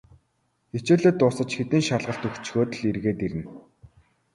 Хичээлээ дуусаж, хэдэн шалгалт өгчхөөд л эргээд ирнэ.